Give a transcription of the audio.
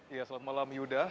ya selamat malam yuda